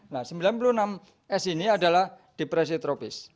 nah sembilan puluh enam s ini adalah depresi tropis